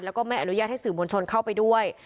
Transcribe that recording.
แล้วก็ไม่อนุญาตให้สื่อมวลชนเข้าไปด้วย